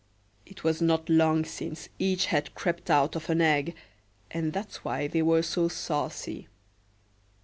It was not long since each had crept out of an egg, and that's why they were so saucy.